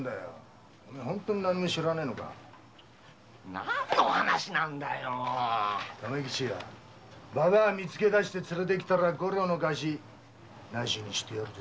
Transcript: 何の話なんだよ留吉ババア見つけて連れて来たら五両の貸し無しにしてやるぜ。